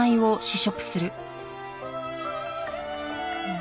うん。